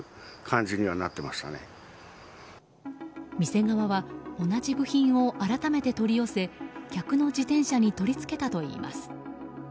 店側は同じ部品を改めて取り寄せ客の自転車に取り付けたといいます。